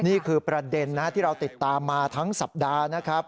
นี่คือประเด็นที่เราติดตามมาทั้งสัปดาห์นะครับ